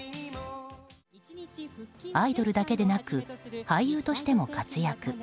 アイドルだけでなく俳優としても活躍。